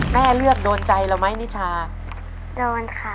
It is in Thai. แม่เลือกโดนใจเราไหมนิชาโดนค่ะ